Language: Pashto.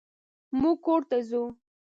مونږ کور ته ځو.